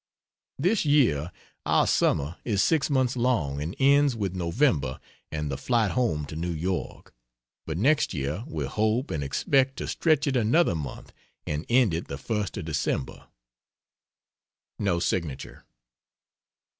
This year our summer is 6 months long and ends with November and the flight home to New York, but next year we hope and expect to stretch it another month and end it the first of December. [No signature.